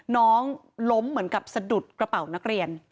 น้องล้มเหมือนกับสะดุดกระเป๋านักเรียน